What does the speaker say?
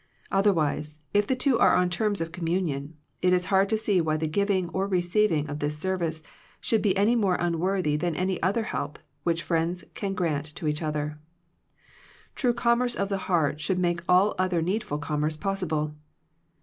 Otherwise, if two are on terms of communion, it is hard to see why the giving or receiving of this service should be any more unworthy than any other help, which friends can grant to each other True commerce of the heart should make all other needful commerce possible.